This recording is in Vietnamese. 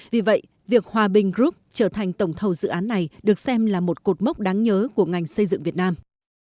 vì vậy việc hòa bình group trở thành tổng thầu dự án này được xem là một cột mốc đáng nhớ của ngành xây dựng việt nam